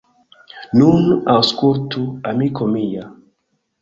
Nun aŭskultu, amiko mia.